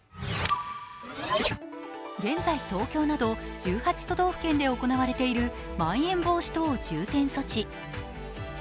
現在、東京など１８都道府県で行われている、まん延防止等重点措置。